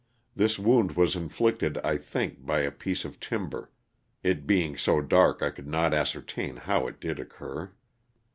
This wound was inflicted, I think, by a piece of tim ber, it being so dark I could not ascertain how it did occur.